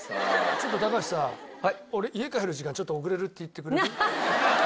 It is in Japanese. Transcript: ちょっと高橋さ俺家帰る時間ちょっと遅れるって言ってくれる？